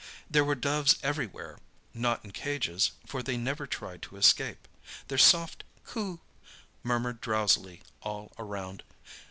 There were doves everywhere—not in cages, for they never tried to escape. Their soft "coo" murmured drowsily all around.